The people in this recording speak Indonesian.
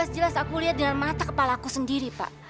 jelas aku lihat dengan mata kepala aku sendiri pak